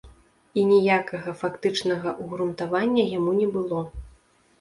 І ніякага фактычнага ўгрунтавання яму не было.